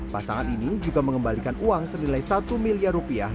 pasangan ini juga mengembalikan uang senilai satu miliar rupiah